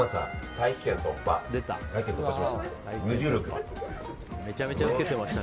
大気圏突破しました。